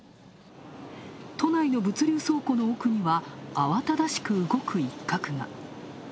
都内の物流倉庫の奥には、慌ただしく動く一角が。